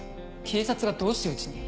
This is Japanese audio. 警察がどうしてうちに？